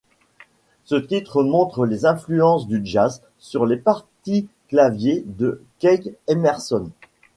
Ce titre montre les influences du jazz sur les parties clavier de Keith Emerson.